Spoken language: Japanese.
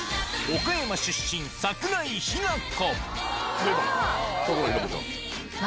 岡山出身、桜井日奈子。